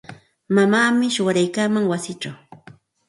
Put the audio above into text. Mamaami shuwaraykaaman wasichaw.